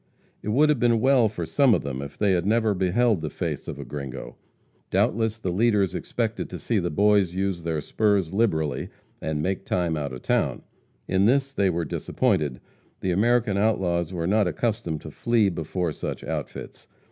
It would have been well for some of them if they had never beheld the face of a gringo. Doubtless the leaders expected to see the boys use their spurs liberally and make time out of town. In this they were disappointed. The American outlaws were not accustomed to flee before such "outfits."